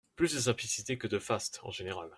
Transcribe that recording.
Plus de simplicité que de faste, en général.